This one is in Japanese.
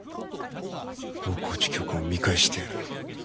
大河内教官を見返してやる。